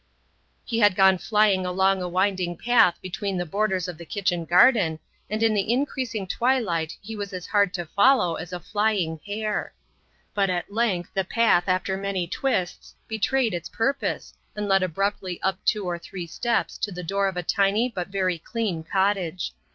He had gone flying along a winding path between the borders of the kitchen garden, and in the increasing twilight he was as hard to follow as a flying hare. But at length the path after many twists betrayed its purpose and led abruptly up two or three steps to the door of a tiny but very clean cottage.